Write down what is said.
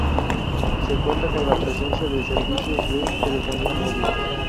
Se cuenta con la presencia de servicios de telefonía móvil.